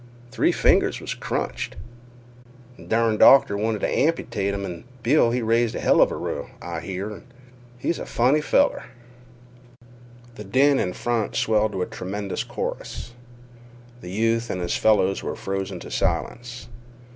Three fingers was crunched. Th' dern doctor wanted t' amputate 'm, an' Bill, he raised a heluva row, I hear. He's a funny feller." The din in front swelled to a tremendous chorus. The youth and his fellows were frozen to silence.